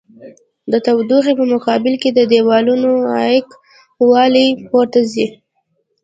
د تودوخې په مقابل کې د دېوالونو عایق والي پورته ځي.